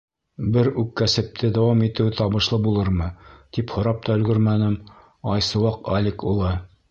Бер үк кәсепте дауам итеүе табышлы булырмы, тип һорап та өлгөрмәнем, Айсыуаҡ Алик улы: